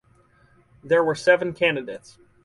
There were seven candidates.